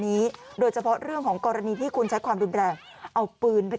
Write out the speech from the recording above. นี้โดยเฉพาะเรื่องของกรณีที่คุณใช้ความรุนแรงเอาปืนไป